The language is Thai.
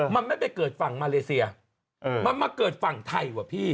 มันไม่ไปเกิดฝั่งมาเลเซียมันมาเกิดฝั่งไทยว่ะพี่